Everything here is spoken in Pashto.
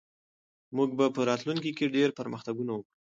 موږ به په راتلونکي کې ډېر پرمختګ وکړو.